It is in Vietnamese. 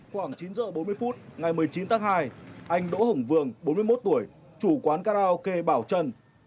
khoảng chín h bốn mươi phút ngày một mươi chín tháng hai anh đỗ hồng vương bốn mươi một tuổi chủ quán karaoke bảo trần